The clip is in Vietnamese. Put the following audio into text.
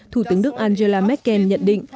thủ tướng đức angela merkel nhận định